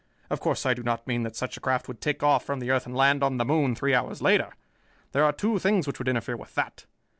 Of course, I do not mean that such a craft would take off from the earth and land on the moon three hours later. There are two things which would interfere with that.